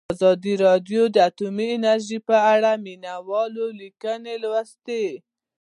ازادي راډیو د اټومي انرژي په اړه د مینه والو لیکونه لوستي.